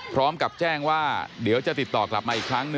พร้อมกับแจ้งว่าเดี๋ยวจะติดต่อกลับมาอีกครั้งหนึ่ง